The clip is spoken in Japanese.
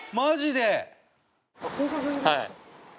はい。